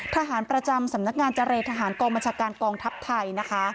ทหารประจำสำนักงานเจรทหารกองบัญชาการกองทัพไทยนะคะ